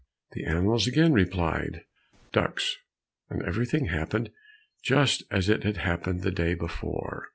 The animals again replied "Duks," and everything happened just as it had happened the day before.